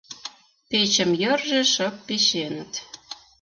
Печым йырже шып печеныт.